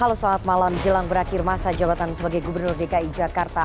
halo selamat malam jelang berakhir masa jabatan sebagai gubernur dki jakarta